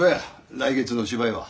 来月の芝居は。